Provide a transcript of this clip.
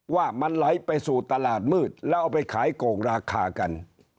ว่ามันไหลไปสู่ตลาดมืดแล้วเอาไปขายโกงราคากัน